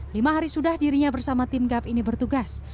lima hari sudah dirinya bersama tim gap ini bertugas